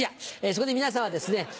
そこで皆さんはですね